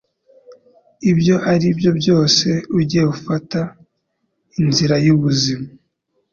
Ibyo aribyo byose uge fata inzira yubuzima